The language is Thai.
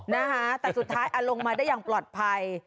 นะคะแต่สุดท้ายเอาลงมาได้อย่างปลอดภัย